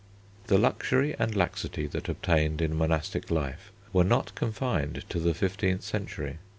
The luxury and laxity that obtained in monastic life were not confined to the fifteenth century.